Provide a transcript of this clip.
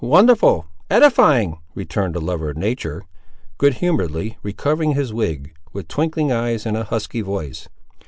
wonderful! edifying!" returned the lover of nature, good humouredly recovering his wig, with twinkling eyes and a husky voice.